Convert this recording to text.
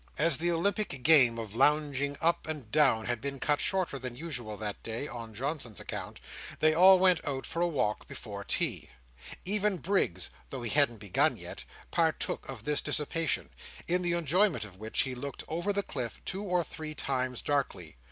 As the Olympic game of lounging up and down had been cut shorter than usual that day, on Johnson's account, they all went out for a walk before tea. Even Briggs (though he hadn't begun yet) partook of this dissipation; in the enjoyment of which he looked over the cliff two or three times darkly.